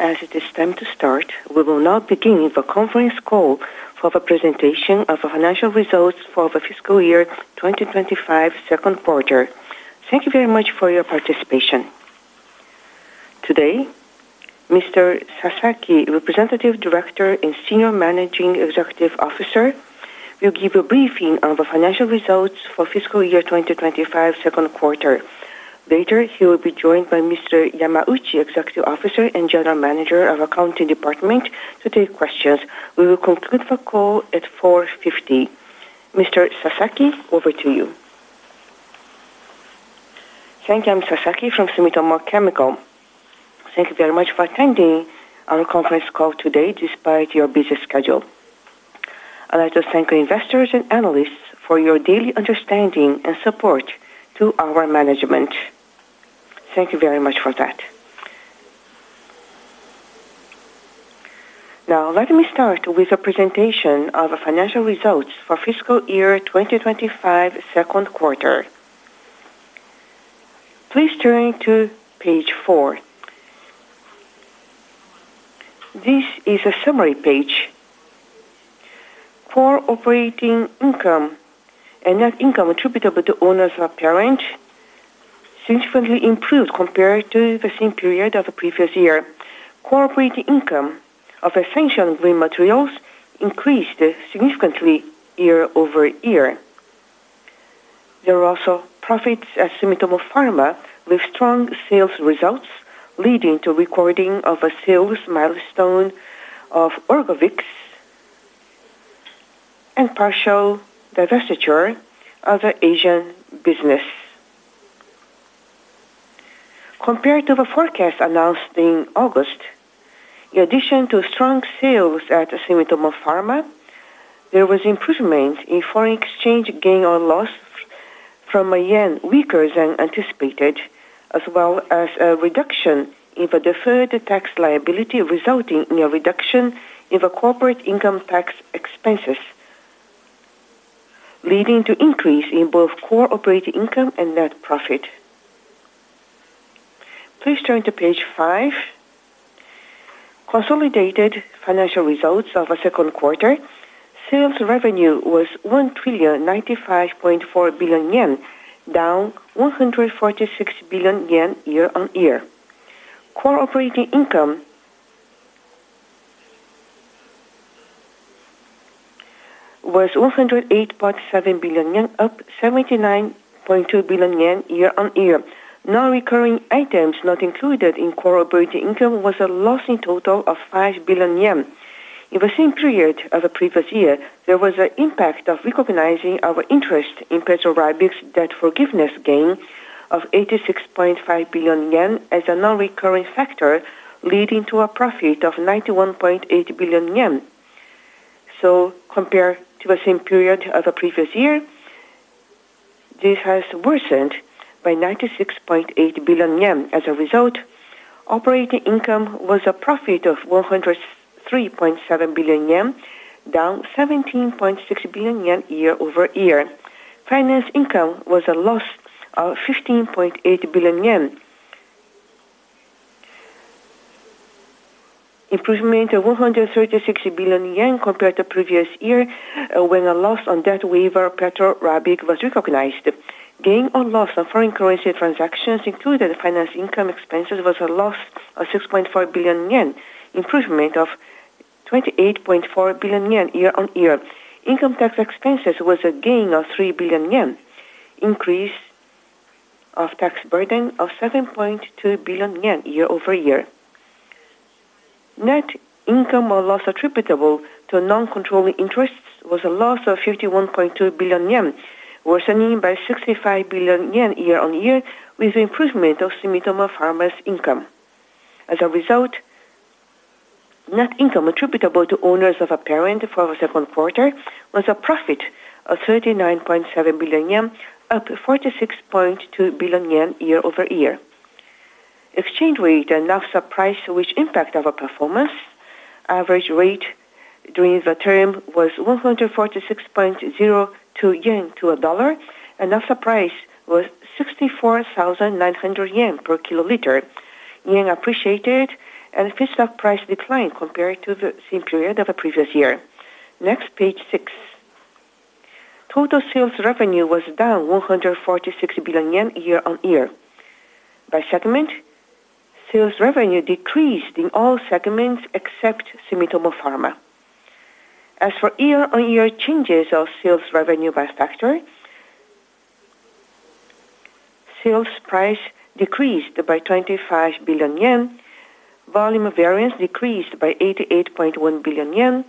As it is time to start, we will now begin the conference call for the presentation of the financial results for the fiscal year 2025 second quarter. Thank you very much for your participation. Today, Mr. Sasaki, Representative Director and Senior Managing Executive Officer, will give a briefing on the financial results for fiscal year 2025 second quarter. Later, he will be joined by Mr. Yamauchi, Executive Officer and General Manager of the Accounting Department, to take questions. We will conclude the call at 4:50 P.M. Mr. Sasaki, over to you. Thank you. I'm Sasaki from Sumitomo Chemical. Thank you very much for attending our conference call today despite your busy schedule. I'd like to thank our investors and analysts for your daily understanding and support to our management. Thank you very much for that. Now, let me start with a presentation of the financial results for fiscal year 2025 second quarter. Please turn to page four. This is a summary page. Core operating income and net income attributable to owners or parents significantly improved compared to the same period of the previous year. Core operating income of essential ingredient materials increased significantly year-over-year. There were also profits at Sumitomo Pharma with strong sales results, leading to recording of a sales milestone of Orgovyx, and partial divestiture of the Asian business. Compared to the forecast announced in August, in addition to strong sales at Sumitomo Pharma, there was improvement in foreign exchange gain or loss from a yen weaker than anticipated, as well as a reduction in the deferred tax liability, resulting in a reduction in the corporate income tax expenses, leading to an increase in both core operating income and net profit. Please turn to page five. Consolidated financial results of the second quarter. Sales revenue was 1 trillion, 95.4 billion yen, down 146 billion yen year-on-year. Core operating income was 108.7 billion yen, up 79.2 billion yen year-on-year. Non-recurring items not included in core operating income were a loss in total of 5 billion yen. In the same period of the previous year, there was an impact of recognizing our interest in Petro Rabigh's debt forgiveness gain of 86.5 billion yen as a non-recurring factor, leading to a profit of 91.8 billion yen. Compared to the same period of the previous year, this has worsened by 96.8 billion yen. As a result, operating income was a profit of 103.7 billion yen, down 17.6 billion yen year-over-year. Finance income was a loss of 15.8 billion yen, improvement of 136 billion yen compared to the previous year when a loss on debt waiver Petro Rabigh was recognized. Gain or loss on foreign currency transactions, including finance income expenses, was a loss of 6.4 billion yen, improvement of 28.4 billion yen year-on-year. Income tax expenses were a gain of 3 billion yen, increase of tax burden of 7.2 billion yen year-over-year. Net income or loss attributable to non-controlling interests was a loss of 51.2 billion yen, worsening by 65 billion yen year-on-year, with improvement of Sumitomo Pharma's income. As a result, net income attributable to owners or parents for the second quarter was a profit of 39.7 billion yen, up 46.2 billion yen year-over-year. Exchange rate and naphtha price, which impacted our performance, average rate during the term was 146.02 yen to a dollar, and naphtha price was 64,900 yen per kiloliter, yen appreciated, and feedstock price declined compared to the same period of the previous year. Next, page six. Total sales revenue was down 146 billion yen year-on-year. By segment. Sales revenue decreased in all segments except Sumitomo Pharma. As for year-on-year changes of sales revenue by factor. Sales price decreased by 25 billion yen, volume variance decreased by 88.1 billion yen.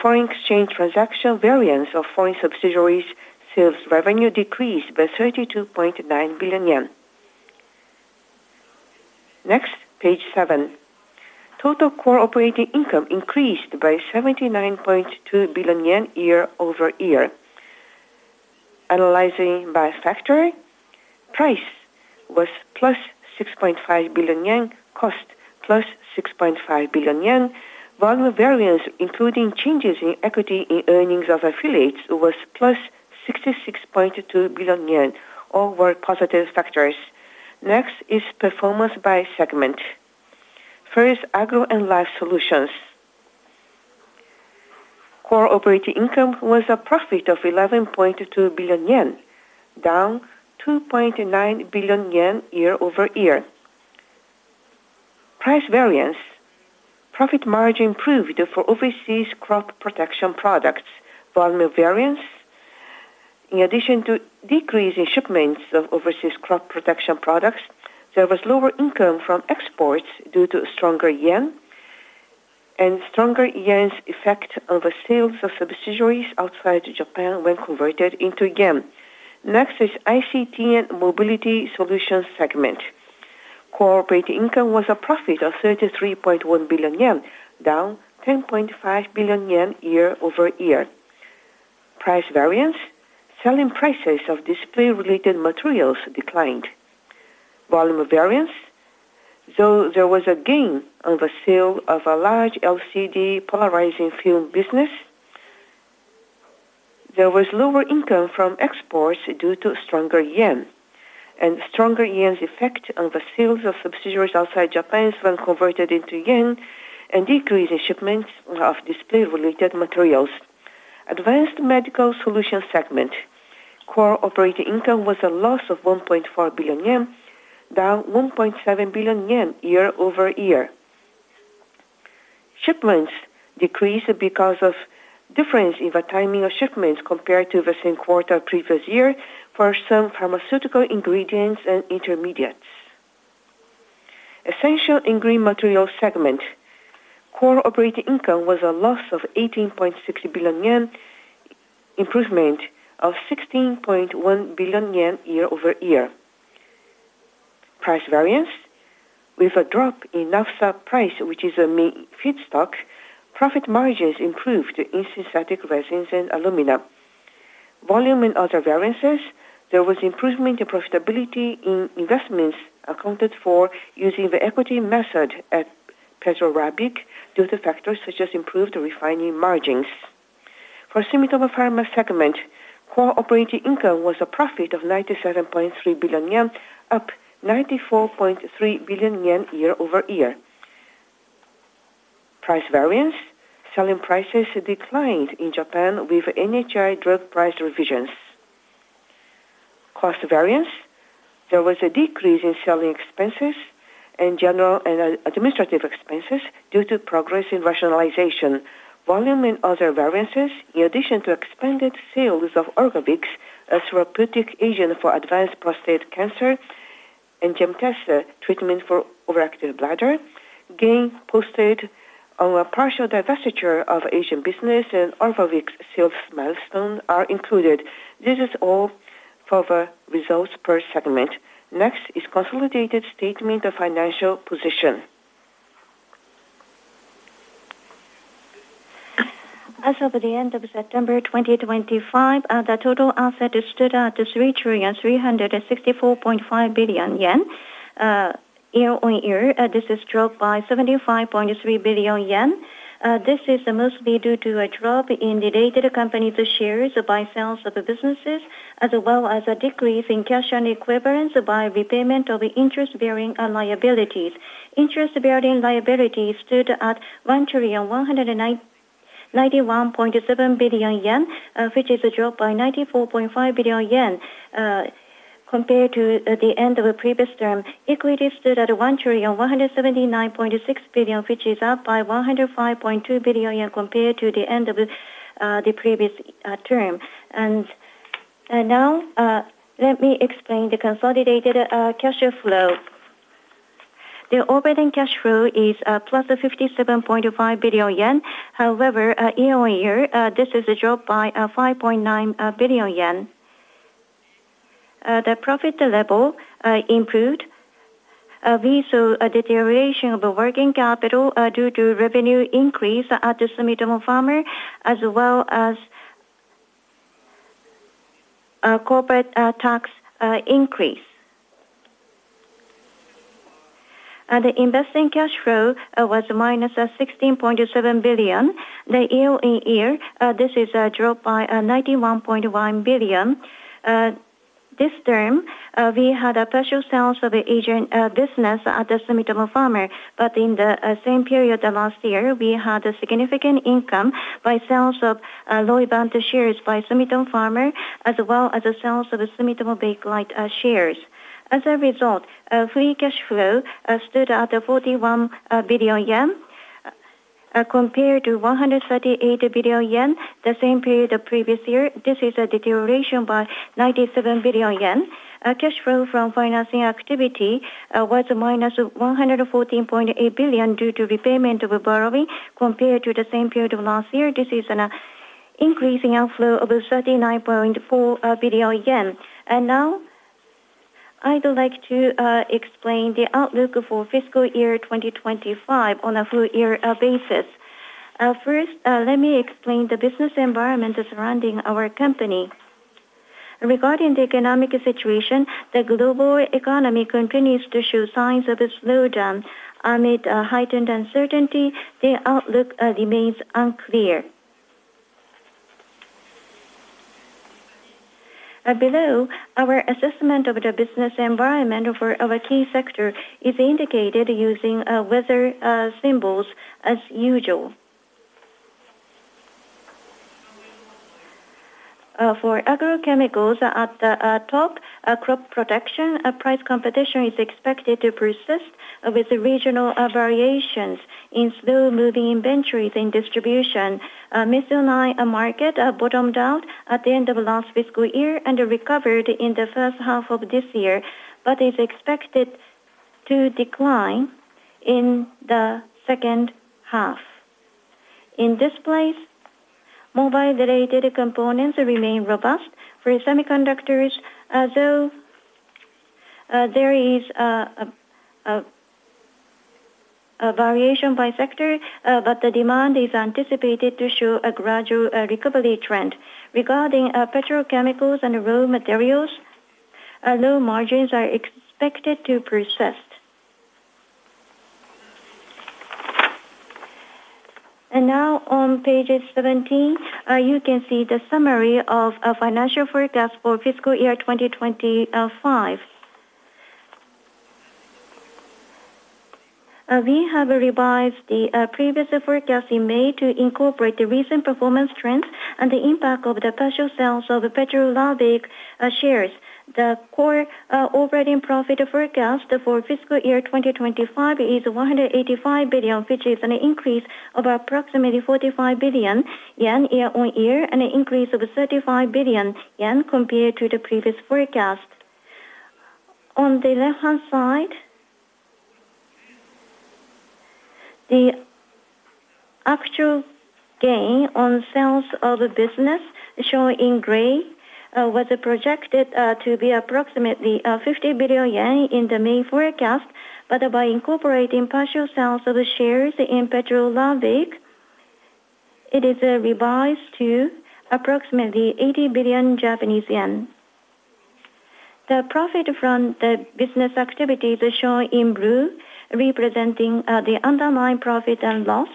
Foreign exchange transaction variance of foreign subsidiaries' sales revenue decreased by 32.9 billion yen. Next, page seven. Total core operating income increased by 79.2 billion yen year-over-year. Analyzing by factor, price was +6.5 billion yen, cost +6.5 billion yen, volume variance, including changes in equity in earnings of affiliates, was +66.2 billion yen, all were positive factors. Next is performance by segment. First, Agro and Life Solutions. Core operating income was a profit of 11.2 billion yen, down 2.9 billion yen year-over-year. Price variance, profit margin improved for overseas crop protection products. Volume variance. In addition to decrease in shipments of overseas crop protection products, there was lower income from exports due to stronger yen. Stronger yen's effect on the sales of subsidiaries outside Japan when converted into yen. Next is ICT and Mobility Solutions segment. Core operating income was a profit of 33.1 billion yen, down 10.5 billion yen year-over-year. Price variance, selling prices of display-related materials declined. Volume variance. Though there was a gain on the sale of a large LCD polarizing film business. There was lower income from exports due to stronger yen and stronger yen's effect on the sales of subsidiaries outside Japan when converted into yen and decrease in shipments of display-related materials. Advanced Medical Solutions segment. Core operating income was a loss of 1.4 billion yen, down 1.7 billion yen year-over-year. Shipments decreased because of difference in the timing of shipments compared to the same quarter previous year for some pharmaceutical ingredients and intermediates. Essential Ingredient Materials segment. Core operating income was a loss of 18.6 billion yen. Improvement of 16.1 billion yen year-over-year. Price variance, with a drop in naphtha price, which is a main feedstock, profit margins improved in synthetic resins and alumina. Volume and other variances, there was improvement in profitability in investments accounted for using the equity method at Petro Rabigh due to factors such as improved refining margins. For Sumitomo Pharma segment, core operating income was a profit of 97.3 billion yen, up 94.3 billion yen year-over-year. Price variance, selling prices declined in Japan with NHI drug price revisions. Cost variance, there was a decrease in selling expenses and general and administrative expenses due to progress in rationalization. Volume and other variances, in addition to expanded sales of Orgovyx, a therapeutic agent for advanced prostate cancer, and Gemtesa treatment for overactive bladder, gain posted on a partial divestiture of Asian business and Orgovyx sales milestone are included. This is all for the results per segment. Next is consolidated statement of financial position. As of the end of September 2025, the total asset stood at 3,364.5 billion yen. year-on-year, this is dropped by 75.3 billion yen. This is mostly due to a drop in the rate accompanied to shares by sales of businesses, as well as a decrease in cash on equivalents by repayment of interest-bearing liabilities. Interest-bearing liabilities stood at 1,191.7 billion yen, which is a drop by 94.5 billion yen compared to the end of the previous term. Equity stood at 1,179.6 billion, which is up by 105.2 billion yen compared to the end of the previous term. Now, let me explain the consolidated cash flow. The operating cash flow is +57.5 billion yen. However, year-on-year, this is a drop by 5.9 billion yen. The profit level improved. We saw a deterioration of the working capital due to revenue increase at Sumitomo Pharma, as well as corporate tax increase. The investing cash flow was -16.7 billion. year-on-year, this is a drop by 91.1 billion. This term, we had a partial sales of Asian business at Sumitomo Pharma, but in the same period last year, we had a significant income by sales of Loiband shares by Sumitomo Pharma, as well as sales of Sumitomo Bakelite shares. As a result, free cash flow stood at 41 billion yen. Compared to 138 billion yen the same period of previous year, this is a deterioration by 97 billion yen. Cash flow from financing activity was -114.8 billion due to repayment of borrowing compared to the same period of last year. This is an increase in outflow of 39.4 billion yen. Now, I'd like to explain the outlook for fiscal year 2025 on a full-year basis. First, let me explain the business environment surrounding our company. Regarding the economic situation, the global economy continues to show signs of a slowdown. Amid heightened uncertainty, the outlook remains unclear. Below, our assessment of the business environment for our key sector is indicated using weather symbols as usual. For agrochemicals, at the top, crop protection price competition is expected to persist with regional variations in slow-moving inventories and distribution. Methionine market bottomed out at the end of last fiscal year and recovered in the first half of this year, but is expected to decline in the second half. In this place, mobile-related components remain robust for semiconductors, though there is a variation by sector, but the demand is anticipated to show a gradual recovery trend. Regarding petrochemicals and raw materials, low margins are expected to persist. On page 17, you can see the summary of financial forecast for fiscal year 2025. We have revised the previous forecast in May to incorporate the recent performance trends and the impact of the partial sales of Petro Rabigh shares. The core operating profit forecast for fiscal year 2025 is 185 billion, which is an increase of approximately 45 billion yen year-on-year, an increase of 35 billion yen compared to the previous forecast. On the left-hand side, the actual gain on sales of business, shown in gray, was projected to be approximately 50 billion yen in the May forecast, but by incorporating partial sales of shares in Petro Rabigh, it is revised to approximately 80 billion Japanese yen. The profit from the business activities shown in blue, representing the underlying profit and loss,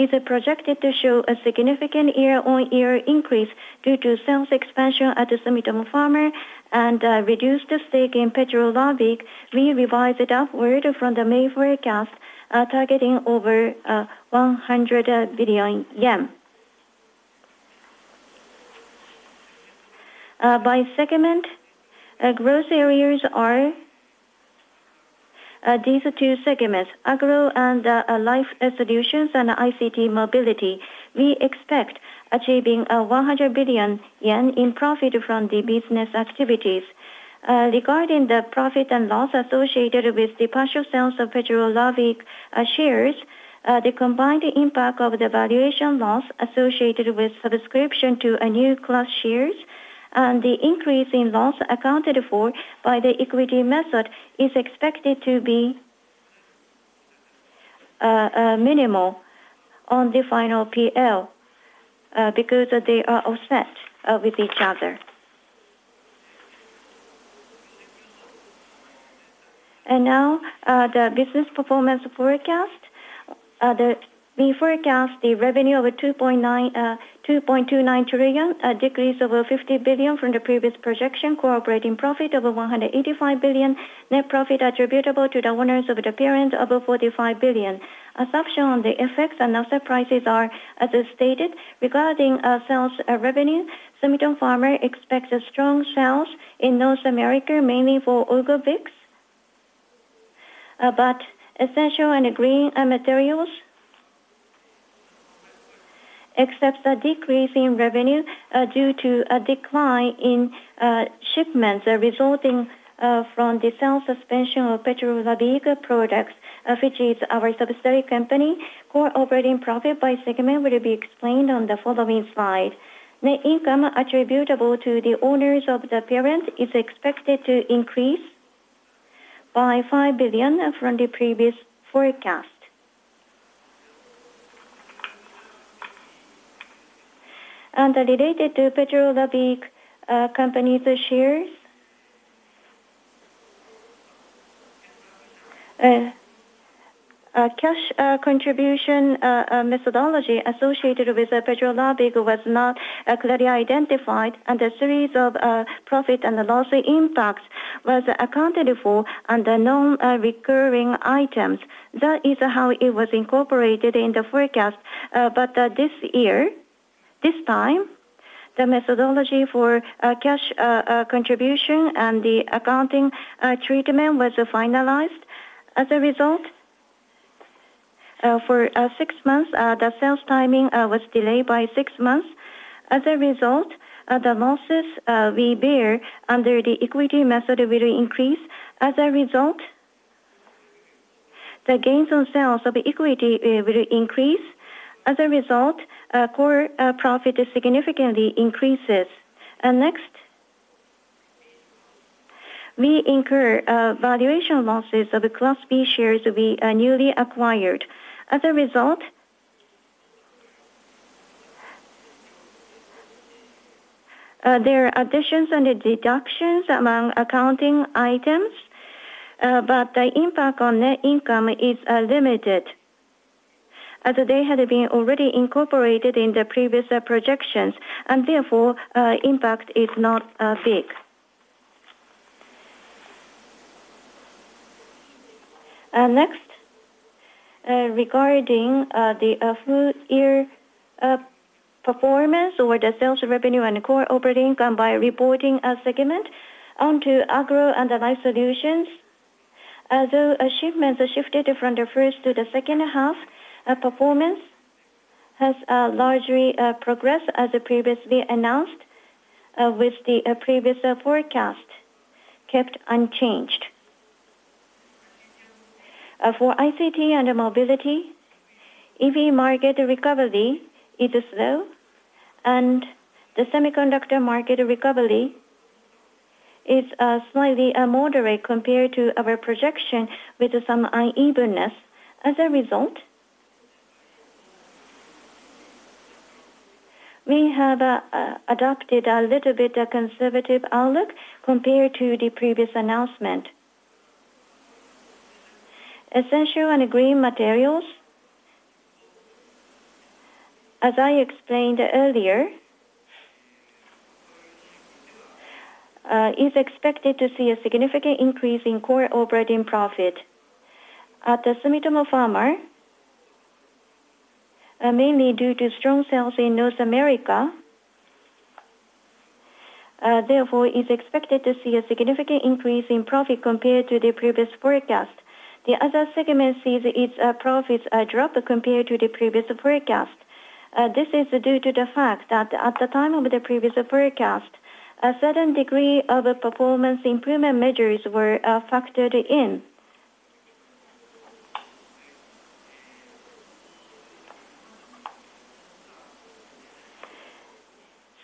is projected to show a significant year-on-year increase due to sales expansion at Sumitomo Pharma and reduced stake in Petro Rabigh. We revised it upward from the May forecast, targeting over JPY 100 billion. By segment, gross areas are these two segments, agro and life solutions and ICT mobility. We expect achieving 100 billion yen in profit from the business activities. Regarding the profit and loss associated with the partial sales of Petro Rabigh shares, the combined impact of the valuation loss associated with subscription to new class shares and the increase in loss accounted for by the equity method is expected to be minimal on the final PL because they are offset with each other. Now, the business performance forecast. We forecast the revenue of 2.29 trillion, a decrease of 50 billion from the previous projection, core operating profit of 185 billion, net profit attributable to the owners of the parent of 45 billion. Assumption on the effects and asset prices are, as stated, regarding sales revenue, Sumitomo Pharma expects strong sales in North America, mainly for Orgovyx. Essential and green materials except a decrease in revenue due to a decline in shipments resulting from the sales suspension of Petro Rabigh products, which is our subsidiary company. Core operating profit by segment will be explained on the following slide. Net income attributable to the owners of the parent is expected to increase by 5 billion from the previous forecast. Related to Petro Rabigh company's shares, cash contribution methodology associated with Petro Rabigh was not clearly identified, and the series of profit and loss impacts was accounted for under non-recurring items. That is how it was incorporated in the forecast, but this year, this time, the methodology for cash contribution and the accounting treatment was finalized. As a result, for six months, the sales timing was delayed by six months. As a result, the losses we bear under the equity method will increase. As a result, the gains on sales of equity will increase. As a result, core profit significantly increases. Next, we incur valuation losses of class B shares we newly acquired. As a result, there are additions and deductions among accounting items, but the impact on net income is limited as they had been already incorporated in the previous projections, and therefore, impact is not big. Next, regarding the full-year. Performance or the sales revenue and core operating by reporting segment onto Agro and Life Solutions, though achievements shifted from the first to the second half, performance has largely progressed as previously announced, with the previous forecast kept unchanged. For ICT and Mobility, EV market recovery is slow, and the semiconductor market recovery is slightly moderate compared to our projection with some unevenness. As a result, we have adopted a little bit of a conservative outlook compared to the previous announcement. Essential and Green Materials, as I explained earlier, is expected to see a significant increase in core operating profit. At Sumitomo Pharma, mainly due to strong sales in North America, therefore, it is expected to see a significant increase in profit compared to the previous forecast. The Other segment sees its profits drop compared to the previous forecast. This is due to the fact that at the time of the previous forecast, a certain degree of performance improvement measures were factored in,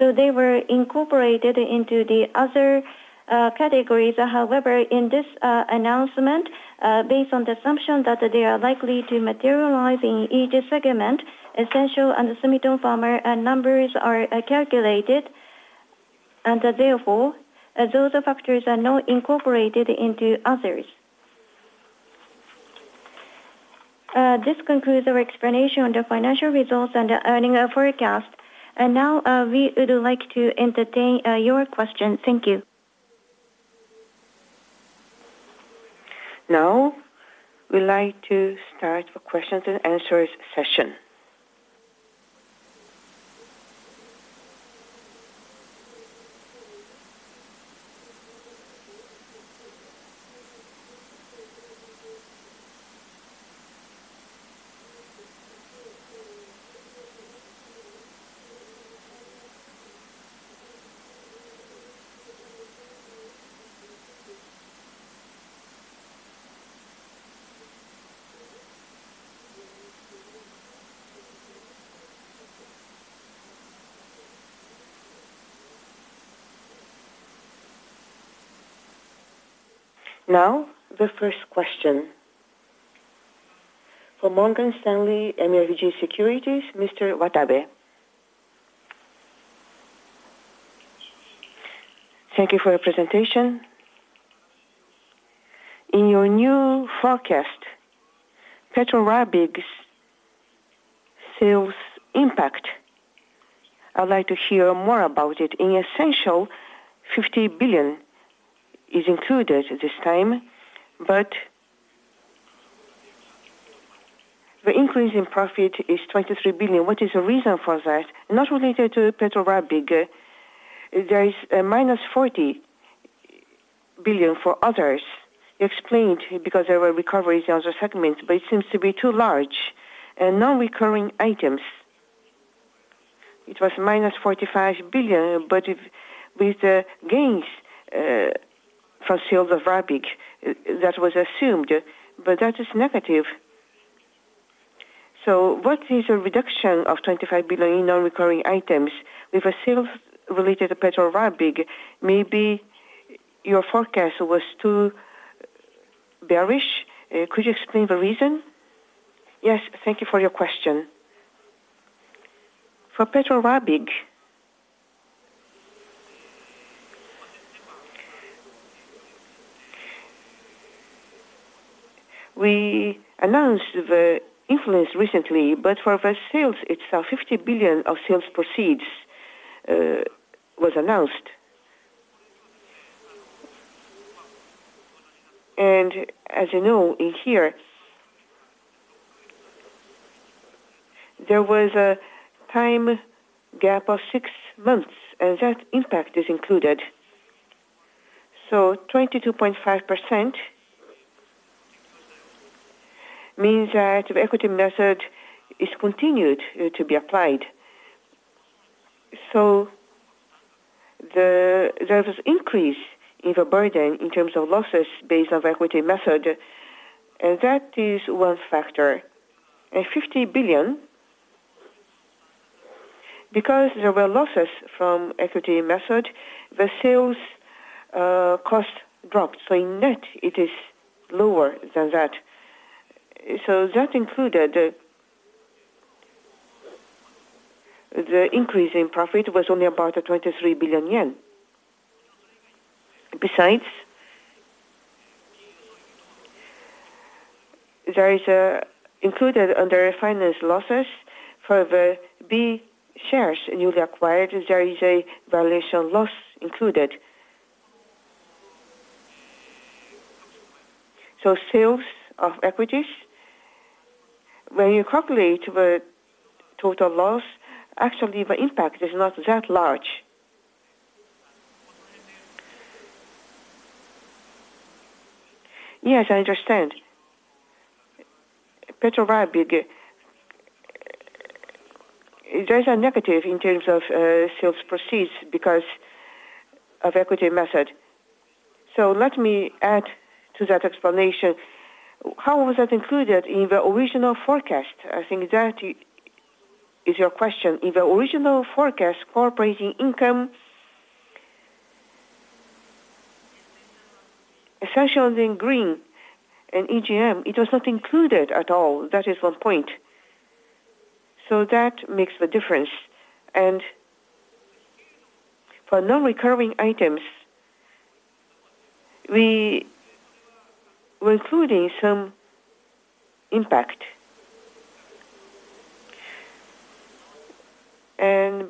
so they were incorporated into the other categories. However, in this announcement, based on the assumption that they are likely to materialize in each segment, Essential and Sumitomo Pharma numbers are calculated, and therefore, those factors are not incorporated into Others. This concludes our explanation of the financial results and earnings forecast. Now we would like to entertain your questions. Thank you. Now, we'd like to start the questions and answers session. Now, the first question. For Morgan Stanley MUFG Securities, Mr. Watabe. Thank you for your presentation. In your new forecast, Petro Rabigh sales impact, I'd like to hear more about it. In Essential, 50 billion is included this time, but the increase in profit is 23 billion. What is the reason for that? Not related to Petro Rabigh, there is -40 billion for Others. You explained because there were recoveries in other segments, but it seems to be too large. And non-recurring items, it was -45 billion, but with the gains from sales of Rabigh, that was assumed, but that is negative. What is the reduction of 25 billion in non-recurring items? With a sales-related Petro Rabigh, maybe your forecast was too bearish. Could you explain the reason? Yes. Thank you for your question. For Petro Rabigh, we announced the influence recently, but for the sales itself, 50 billion of sales proceeds was announced. As you know, in here, there was a time gap of six months, and that impact is included. So 22.5% means that the equity method is continued to be applied. There was an increase in the burden in terms of losses based on the equity method, and that is one factor. JPY 50 billion, because there were losses from equity method, the sales cost dropped. In net, it is lower than that. That included, the increase in profit was only about 23 billion yen. Besides, there is, included under finance losses for the B shares newly acquired, there is a valuation loss included. So sales of equities. When you calculate the total loss, actually, the impact is not that large. Yes, I understand. Petro Rabigh. There is a negative in terms of sales proceeds because of equity method. Let me add to that explanation. How was that included in the original forecast? I think that is your question. In the original forecast, core operating income, Essential and Green and EGM, it was not included at all. That is one point. That makes the difference. For non-recurring items, we were including some impact.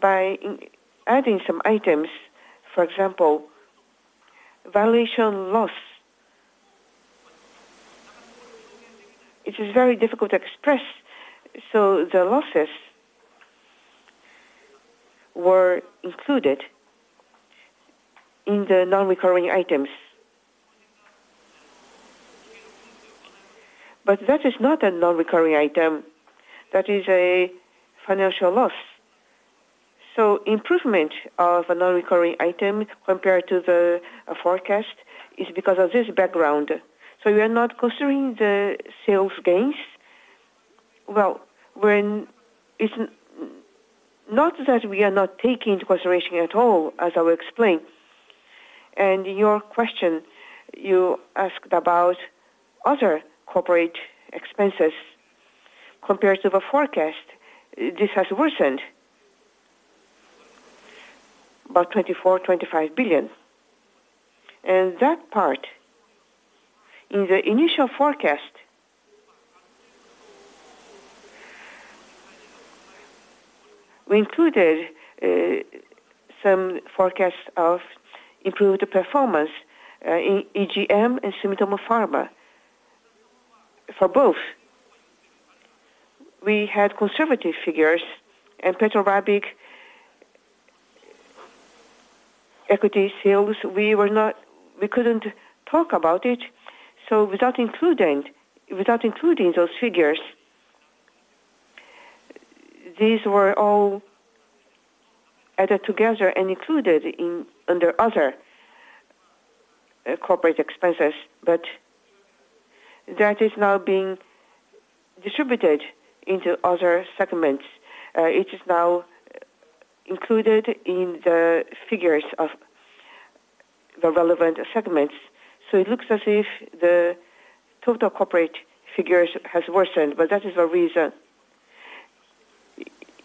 By adding some items, for example, valuation loss, it is very difficult to express. The losses were included in the non-recurring items. That is not a non-recurring item. That is a financial loss. Improvement of a non-recurring item compared to the forecast is because of this background. We are not considering the sales gains. It's not that we are not taking into consideration at all, as I will explain. In your question, you asked about other corporate expenses. Compared to the forecast, this has worsened about 24 billion, 25 billion. That part, in the initial forecast, we included some forecasts of improved performance in EGM and Sumitomo Pharma. For both, we had conservative figures, and Petro Rabigh equity sales, we could not talk about it. Without including those figures, these were all added together and included under other corporate expenses. That is now being distributed into other segments. It is now included in the figures of the relevant segments. It looks as if the total corporate figures have worsened, but that is the reason.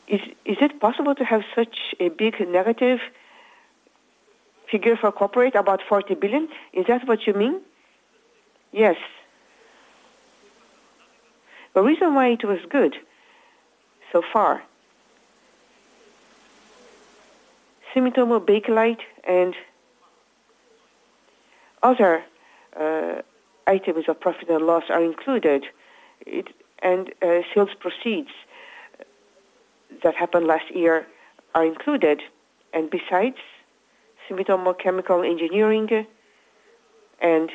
Is it possible to have such a big negative figure for corporate, about 40 billion? Is that what you mean? Yes. The reason why it was good so far, Sumitomo Bakelite and other items of profit and loss are included, and sales proceeds that happened last year are included. Besides, Sumitomo Chemical Engineering and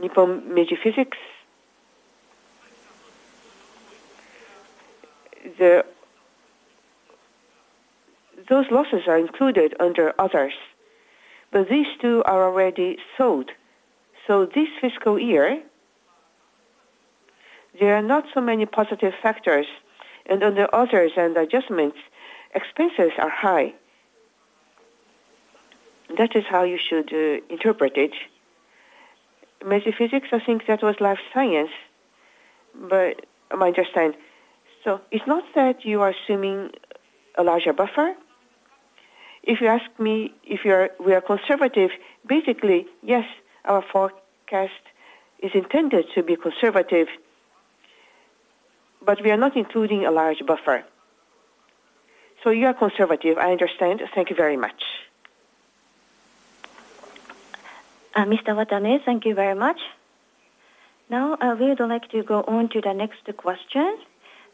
Nippon Major Physics, those losses are included under others. These two are already sold. This fiscal year, there are not so many positive factors. Under others and adjustments, expenses are high. That is how you should interpret it. Major Physics, I think that was life science by my understanding. It's not that you are assuming a larger buffer. If you ask me if we are conservative, basically, yes, our forecast is intended to be conservative, but we are not including a large buffer. You are conservative. I understand. Thank you very much. Mr. Watabe, thank you very much. Now, we would like to go on to the next question.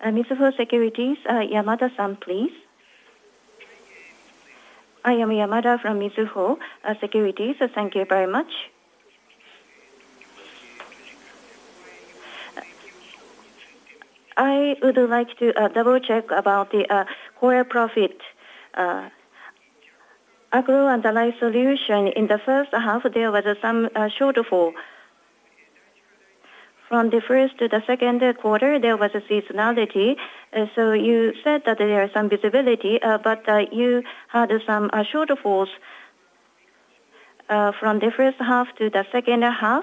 Mizuho Securities, Yamada-san, please. I am Yamada from Mizuho Securities. Thank you very much. I would like to double-check about the core profit. Agro and Life Solution. In the first half, there was some shortfall. From the first to the second quarter, there was seasonality. You said that there is some visibility, but you had some shortfalls. From the first half to the second half.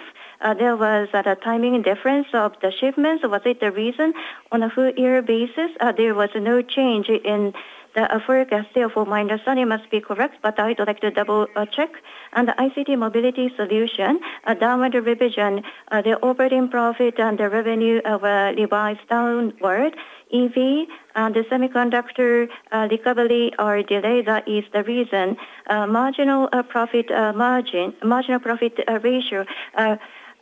There was a timing difference of the shipments. Was it the reason? On a full-year basis, there was no change in the forecast. Therefore, my understanding must be correct, but I'd like to double-check. The ICT mobility solution, a downward revision, the operating profit and the revenue were revised downward. EV and the semiconductor recovery are delayed. That is the reason. Marginal profit ratio.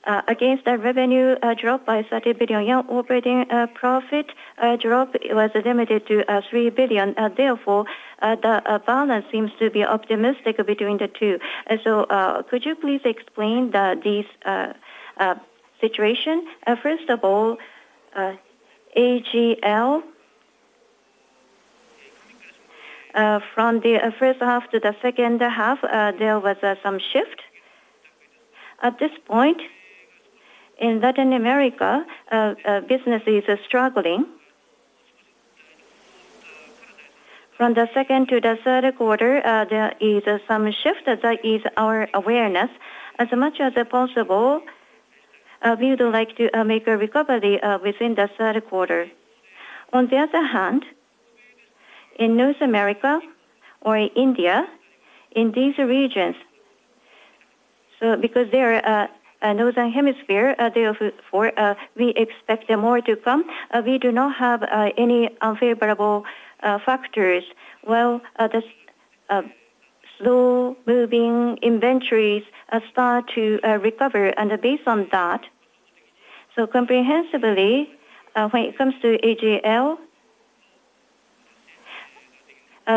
Against the revenue dropped by 30 billion yen. Operating profit drop was limited to 3 billion. Therefore, the balance seems to be optimistic between the two. Could you please explain this situation? First of all, AGL. From the first half to the second half, there was some shift. At this point, in Latin America, business is struggling. From the second to the third quarter, there is some shift that is our awareness. As much as possible, we would like to make a recovery within the third quarter. On the other hand, in North America or in India, in these regions, because they are a northern hemisphere, therefore, we expect more to come. We do not have any unfavorable factors. While the slow-moving inventories start to recover. Based on that, comprehensively, when it comes to AGL,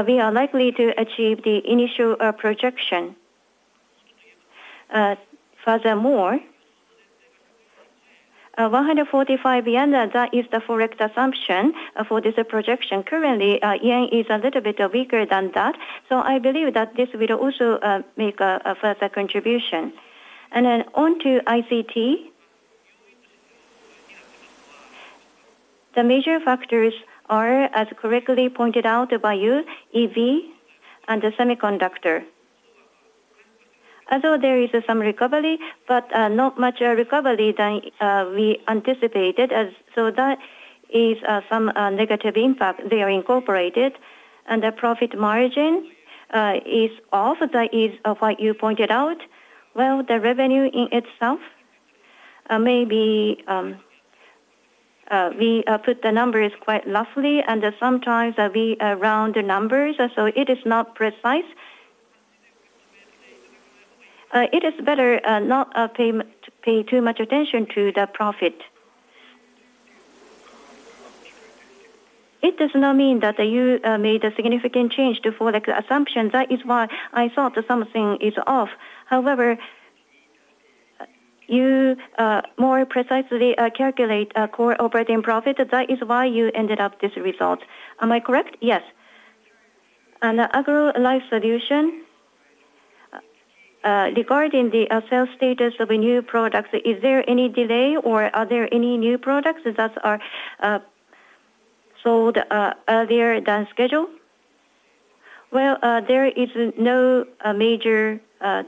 we are likely to achieve the initial projection. Furthermore, 145 yen, that is the correct assumption for this projection. Currently, yen is a little bit weaker than that. I believe that this will also make a further contribution. On to ICT. The major factors are, as correctly pointed out by you, EV and the semiconductor. Although there is some recovery, but not much recovery than we anticipated. That is some negative impact. They are incorporated. The profit margin is off. That is what you pointed out. The revenue in itself, maybe, we put the numbers quite roughly, and sometimes we round the numbers. It is not precise. It is better not to pay too much attention to the profit. It does not mean that you made a significant change to forecast assumption. That is why I thought something is off. However, you more precisely calculate core operating profit. That is why you ended up with this result. Am I correct? Yes. Agro life solution. Regarding the sales status of new products, is there any delay, or are there any new products that are sold earlier than schedule? There is no major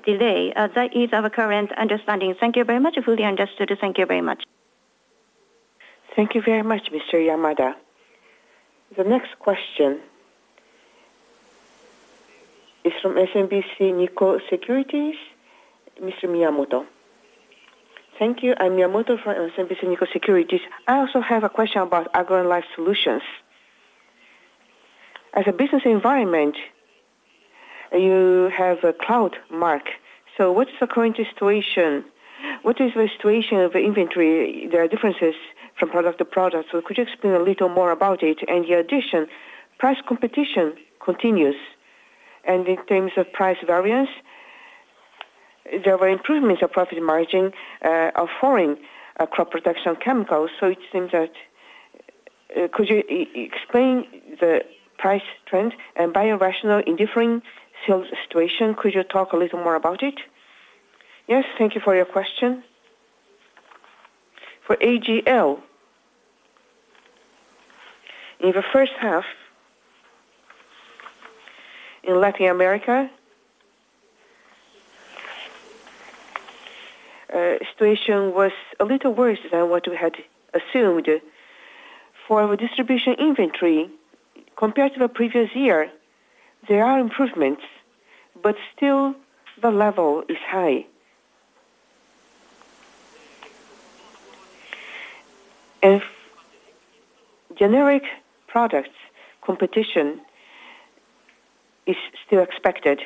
delay. That is our current understanding. Thank you very much. Fully understood. Thank you very much. Thank you very much, Mr. Yamada. The next question is from SMBC Nikko Securities, Mr. Miyamoto. Thank you. I'm Miyamoto from SMBC Nikko Securities. I also have a question about agro and life solutions. As a business environment, you have a cloud mark. What is the current situation? What is the situation of the inventory? There are differences from product to product. Could you explain a little more about it? In addition, price competition continues. In terms of price variance, there were improvements of profit margin of foreign crop protection chemicals. It seems that. Could you explain the price trend and biorational indifferent sales situation? Could you talk a little more about it? Yes. Thank you for your question. For AGL, in the first half, in Latin America, the situation was a little worse than what we had assumed. For distribution inventory, compared to the previous year, there are improvements, but still the level is high. Generic products competition is still expected.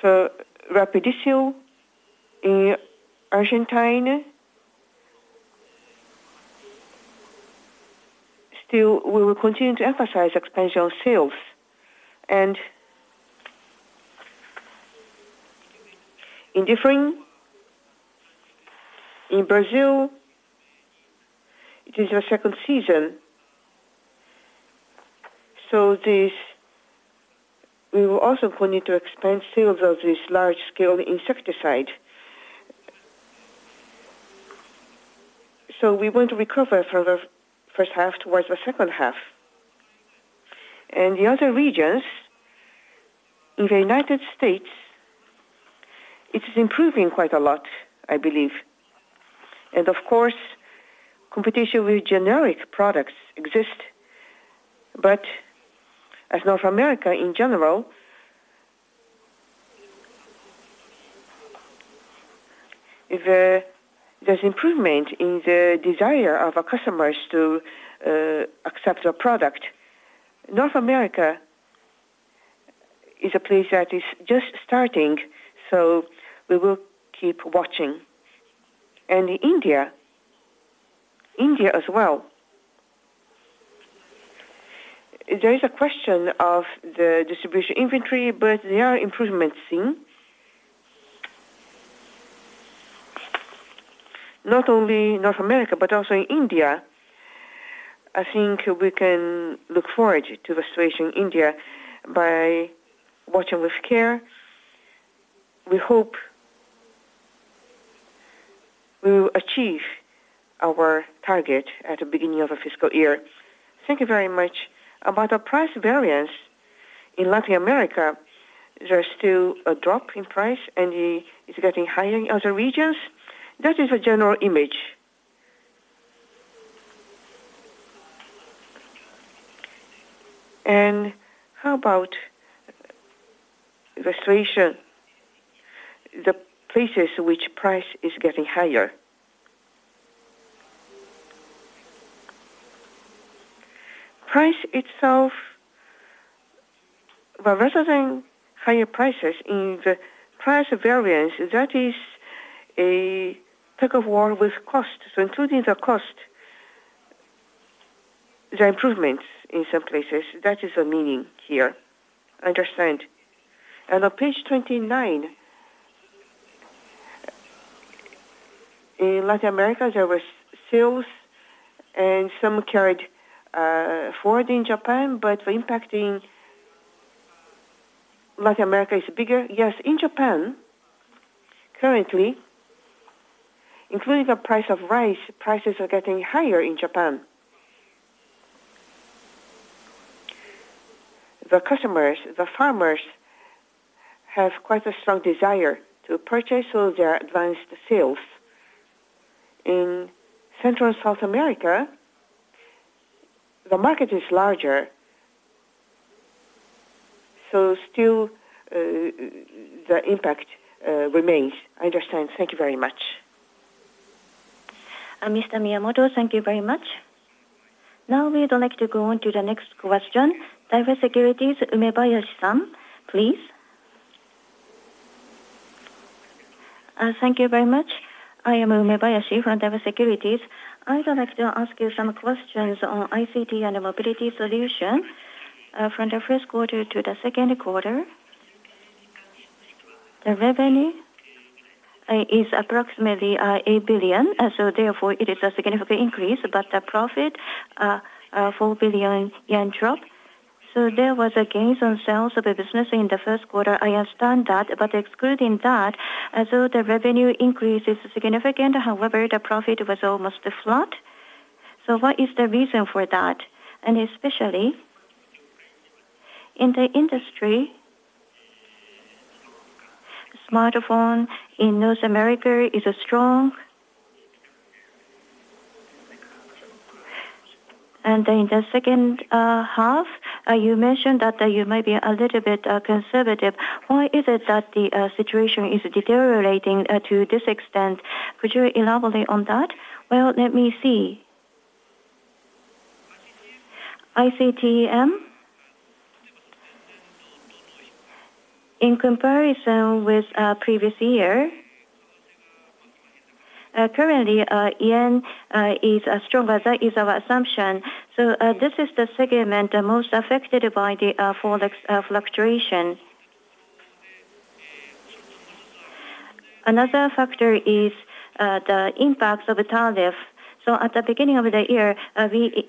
For Rapidisil in Argentina, still, we will continue to emphasize expansion sales. Indifferent in Brazil, it is the second season. We will also continue to expand sales of this large-scale insecticide. We want to recover from the first half towards the second half. The other regions, in the United States, it is improving quite a lot, I believe. Of course, competition with generic products exists. As North America in general, there's improvement in the desire of our customers to accept our product. North America is a place that is just starting. We will keep watching. India, India as well, there is a question of the distribution inventory, but there are improvements seen. Not only in North America, but also in India. I think we can look forward to the situation in India by watching with care. We hope we will achieve our target at the beginning of the fiscal year. Thank you very much. About the price variance in Latin America, there is still a drop in price, and it's getting higher in other regions. That is the general image. How about the situation, the places which price is getting higher? Price itself, rather than higher prices in the price variance, that is a tug-of-war with cost. Including the cost, the improvements in some places, that is the meaning here. I understand. On page 29, in Latin America, there were sales and some carried forward in Japan, but the impact in Latin America is bigger. Yes, in Japan, currently, including the price of rice, prices are getting higher in Japan. The customers, the farmers, have quite a strong desire to purchase, so there are advanced sales. In Central and South America, the market is larger, so still, the impact remains. I understand. Thank you very much. Mr. Miyamoto, thank you very much. Now, we would like to go on to the next question. Diverse Securities, Umebayashi-san, please. Thank you very much. I am Umebayashi from Diverse Securities. I would like to ask you some questions on ICT and mobility solutions. From the first quarter to the second quarter, the revenue is approximately 8 billion. Therefore, it is a significant increase, but the profit, 4 billion yen drop. There was a gain on sales of the business in the first quarter. I understand that, but excluding that, although the revenue increase is significant, the profit was almost flat. What is the reason for that? Especially in the industry, smartphone in North America is strong. In the second half, you mentioned that you might be a little bit conservative. Why is it that the situation is deteriorating to this extent? Could you elaborate on that? Let me see. ICTM, in comparison with the previous year, currently, yen is stronger. That is our assumption. This is the segment most affected by the forex fluctuation. Another factor is the impacts of tariff. At the beginning of the year, we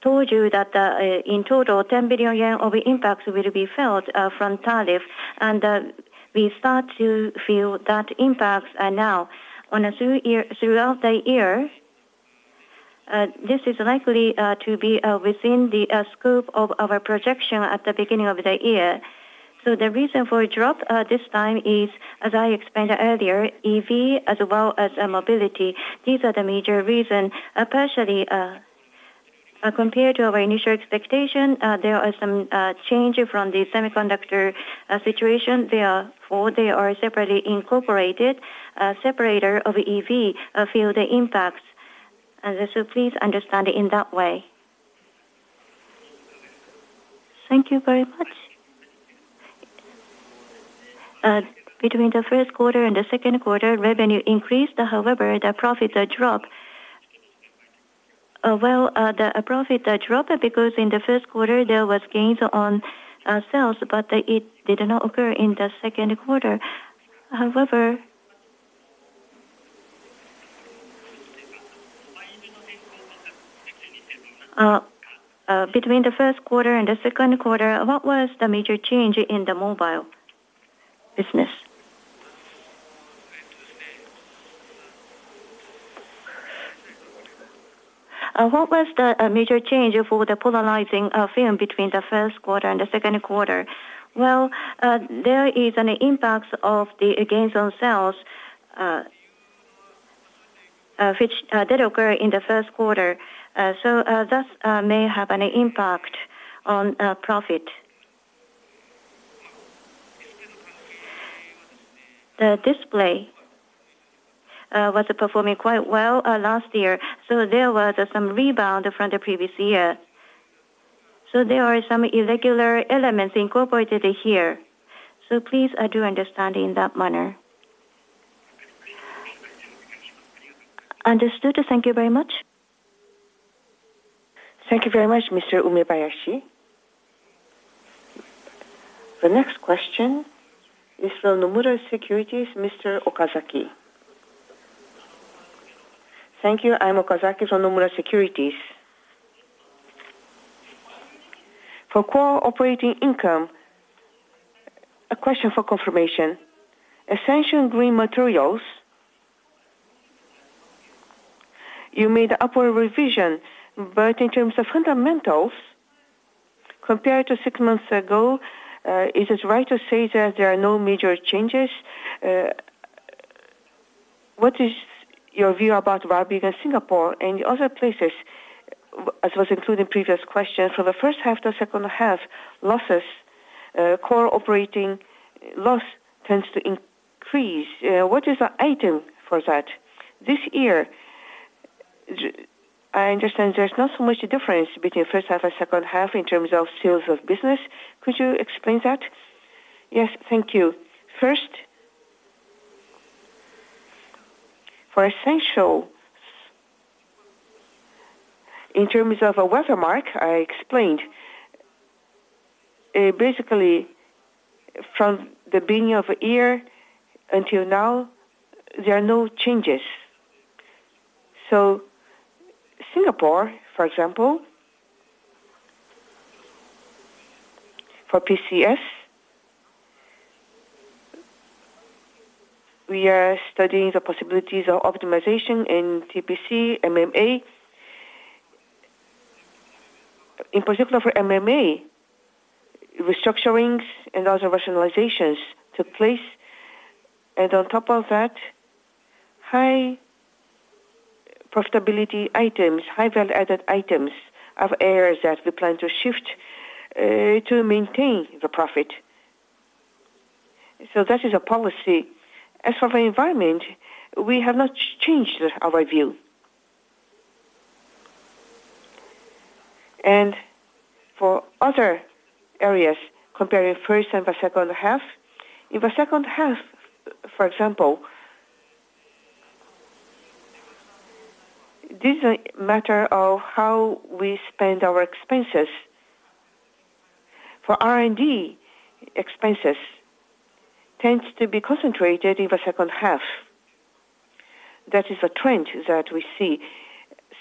told you that in total, 10 billion yen of impacts will be felt from tariff, and we start to feel that impact now. Throughout the year, this is likely to be within the scope of our projection at the beginning of the year. The reason for a drop this time is, as I explained earlier, EV as well as mobility. These are the major reasons, especially compared to our initial expectation. There are some changes from the semiconductor situation. Therefore, they are separately incorporated. Separator of EV feel the impacts, and please understand it in that way. Thank you very much. Between the first quarter and the second quarter, revenue increased. However, the profits dropped. The profit dropped because in the first quarter, there was gain on sales, but it did not occur in the second quarter. However, between the first quarter and the second quarter, what was the major change in the mobile business? What was the major change for the polarizing film between the first quarter and the second quarter? There is an impact of the gains on sales, which did occur in the first quarter, so that may have an impact on profit. The display was performing quite well last year, so there was some rebound from the previous year. There are some irregular elements incorporated here, so please do understand it in that manner. Understood. Thank you very much. Thank you very much, Mr. Umebayashi. The next question is from Nomura Securities, Mr. Okazaki. Thank you. I'm Okazaki from Nomura Securities. For core operating income, a question for confirmation. Essential green materials, you made the upward revision, but in terms of fundamentals, compared to six months ago, is it right to say that there are no major changes? What is your view about Rabigh and Singapore and other places, as was included in previous questions? From the first half to the second half, losses, core operating loss tends to increase. What is the item for that? This year, I understand there's not so much difference between first half and second half in terms of sales of business. Could you explain that? Yes, thank you. First, for essential, in terms of a watermark, I explained, basically, from the beginning of the year until now, there are no changes. Singapore, for example. For PCS. We are studying the possibilities of optimization in TPC, MMA. In particular for MMA, restructurings and other rationalizations took place. On top of that, high profitability items, high value-added items of areas that we plan to shift to maintain the profit. That is a policy. As for the environment, we have not changed our view. For other areas, comparing first and the second half, in the second half, for example, this is a matter of how we spend our expenses. For R&D expenses, tends to be concentrated in the second half. That is the trend that we see.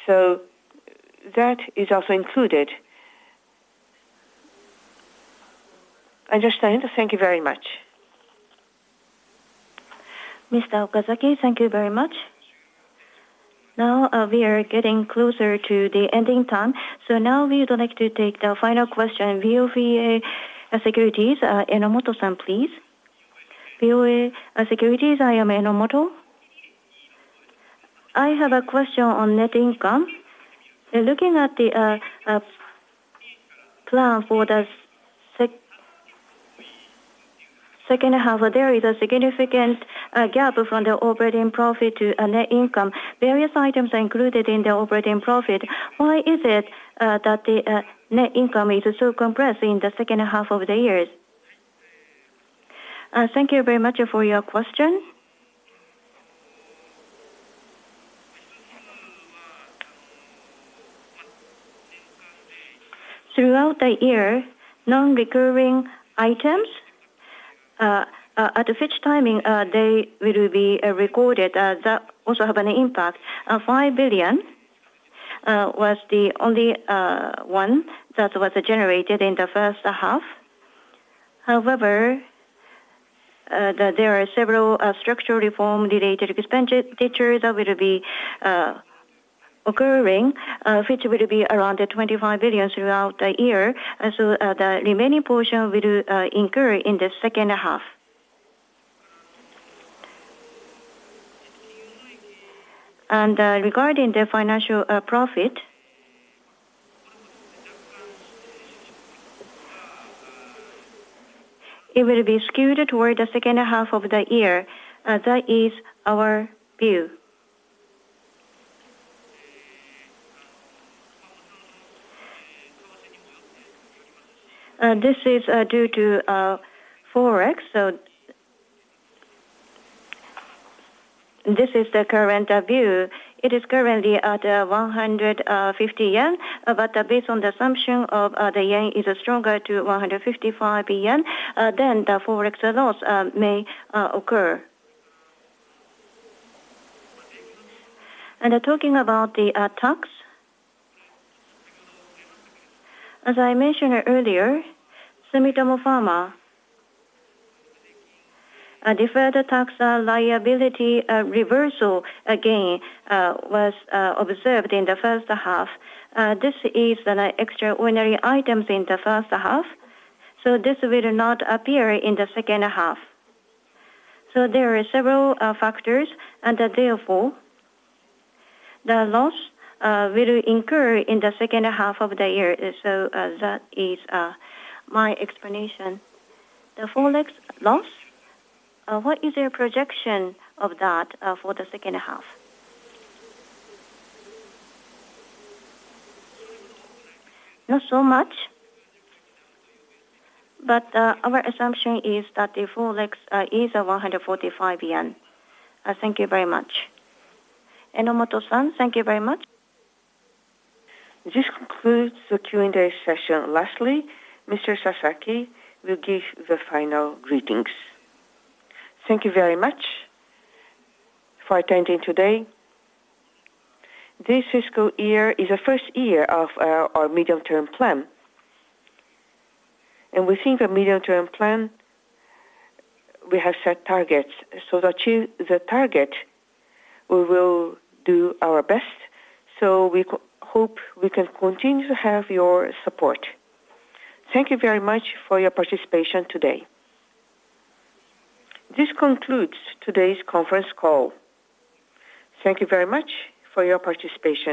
That is also included. I understand. Thank you very much. Mr. Okazaki, thank you very much. Now, we are getting closer to the ending time. Now, we would like to take the final question. VOVA Securities, Enomoto-san, please. VOVA Securities, I am Enomoto. I have a question on net income. Looking at the plan for the second half, there is a significant gap from the operating profit to net income. Various items are included in the operating profit. Why is it that the net income is so compressed in the second half of the year? Thank you very much for your question. Throughout the year, non-recurring items, at which timing they will be recorded, that also have an impact. 5 billion was the only one that was generated in the first half. However, there are several structural reform-related expenditures that will be occurring, which will be around 25 billion throughout the year. The remaining portion will incur in the second half. Regarding the financial profit, it will be skewed toward the second half of the year. That is our view. This is due to forex. This is the current view. It is currently at 150 yen, but based on the assumption of the yen is stronger to 155 yen, then the forex loss may occur. Talking about the tax, as I mentioned earlier, Sumitomo Pharma deferred tax liability reversal again was observed in the first half. This is an extraordinary item in the first half. This will not appear in the second half. There are several factors, and therefore, the loss will incur in the second half of the year. That is my explanation. The forex loss, what is your projection of that for the second half? Not so much, but our assumption is that the forex is 145 yen. Thank you very much. Enomoto-san, thank you very much. This concludes the Q&A session. Lastly, Mr. Sasaki will give the final greetings. Thank you very much for attending today. This fiscal year is the first year of our medium-term plan. Within the medium-term plan, we have set targets. To achieve the target, we will do our best. We hope we can continue to have your support. Thank you very much for your participation today. This concludes today's conference call. Thank you very much for your participation.